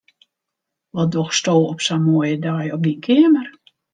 Wat dochsto op sa'n moaie dei op dyn keamer?